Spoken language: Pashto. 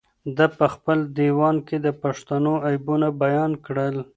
ده په خپل ديوان کې د پښتنو عیبونه بيان کړل.